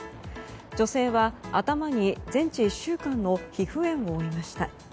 女性は、頭に全治１週間の皮膚炎を負いました。